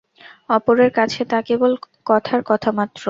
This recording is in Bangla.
অপরের কাছে তা কেবল কথার কথামাত্র।